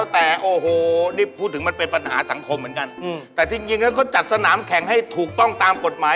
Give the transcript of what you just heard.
ถ้าพูดกันอย่างนี้ก็เขาหรอกเลย